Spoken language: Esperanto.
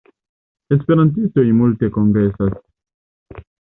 Esperantistoj multe kongresas.